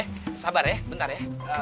oke sabar ya bentar ya